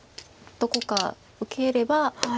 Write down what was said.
どこか受ければ。